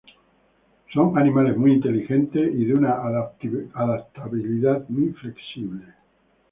Son animales muy inteligentes y de una adaptabilidad muy flexible.